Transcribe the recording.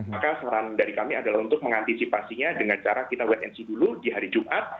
maka saran dari kami adalah untuk mengantisipasinya dengan cara kita wait and see dulu di hari jumat